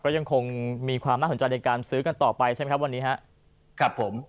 ก็ยังคงมีความน่าสนใจในการซื้อกันต่อไปใช่ไหมครับวันนี้ครับผม